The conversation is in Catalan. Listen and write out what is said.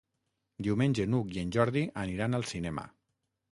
Diumenge n'Hug i en Jordi aniran al cinema.